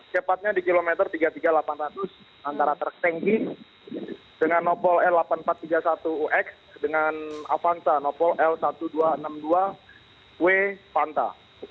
cepatnya di kilometer tiga puluh tiga delapan ratus antara truk tanki dengan nopol l delapan ribu empat ratus tiga puluh satu ux dengan avanza nopol l seribu dua ratus enam puluh dua w panta